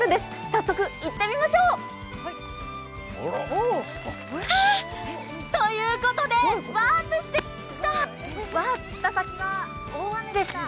早速、行ってみましょう！ということで、ワープしてきました。